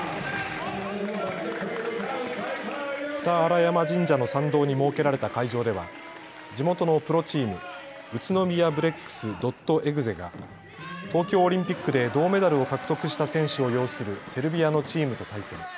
二荒山神社の参道に設けられた会場では地元のプロチーム、ＵＴＳＵＮＯＭＩＹＡＢＲＥＸ．ＥＸＥが東京オリンピックで銅メダルを獲得した選手を擁するセルビアのチームと対戦。